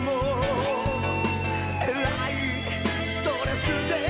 「エラいストレスで」